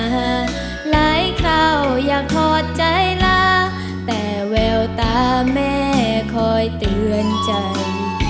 หลายข่าวยังขอดใจลาแต่แววตาแม่คอยเตือนใจ